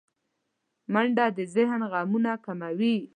منډه د ذهن غمونه کموي